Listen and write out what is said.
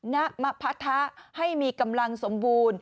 ณมะพัทธะให้มีกำลังสมบูรณ์